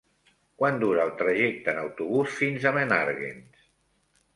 Quant dura el trajecte en autobús fins a Menàrguens?